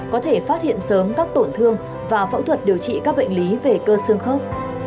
có thể phát hiện sớm các tổn thương và phẫu thuật điều trị các bệnh lý về cơ xương khớp